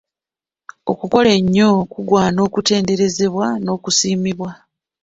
Okukola ennyo kugwana okutenderezebwa n'okusiimibwa